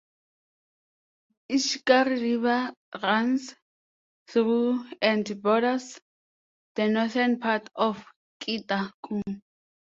Ishikari River runs through and borders the northern part of Kita-ku.